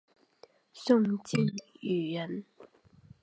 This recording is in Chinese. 宋敬舆人。